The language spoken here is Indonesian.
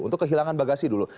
untuk kehilangan bagasi dulu